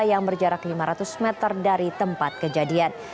yang berjarak lima ratus meter dari tempat kejadian